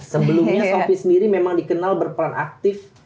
sebelumnya sompi sendiri memang dikenal berperan aktif